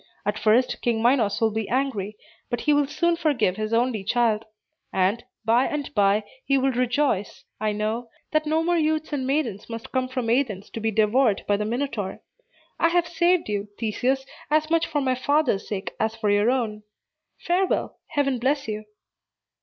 At first, King Minos will be angry; but he will soon forgive his only child; and, by and by, he will rejoice, I know, that no more youths and maidens must come from Athens to be devoured by the Minotaur. I have saved you, Theseus, as much for my father's sake as for your own. Farewell! Heaven bless you!"